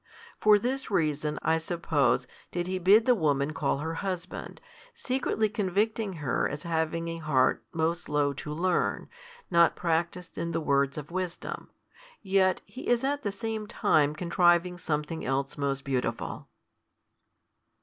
For this reason (I suppose) did He bid the woman call her husband, secretly convicting her as having a heart most slow to learn, not practised in the words of wisdom; yet He is at the same time contriving something else most beautiful.